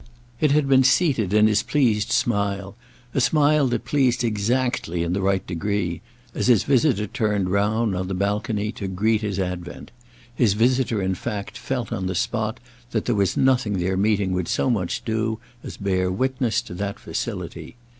It had been seated in his pleased smile—a smile that pleased exactly in the right degree—as his visitor turned round, on the balcony, to greet his advent; his visitor in fact felt on the spot that there was nothing their meeting would so much do as bear witness to that facility.